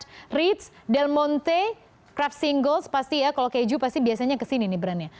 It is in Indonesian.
kraft reeds del monte kraft singles pasti ya kalau keju pasti biasanya kesini nih brandnya